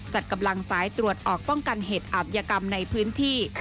จัดกำลังสายตรวจออกป้องกันเหตุอาทยากรรมในพื้นที่